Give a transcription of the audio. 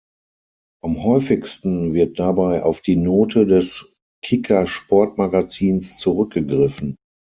Am häufigsten wird dabei auf die Note des Kicker-Sportmagazins zurückgegriffen.